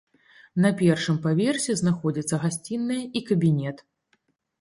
На першым паверсе знаходзяцца гасціная і кабінет.